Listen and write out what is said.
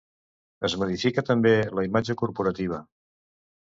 Es modifica també la imatge corporativa.